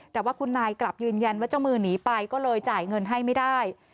แต่ว่าคุณนายกลับยืนยันว่าเจ้ามือหนีไปก็เลยจ่ายเงินให้ไม่ได้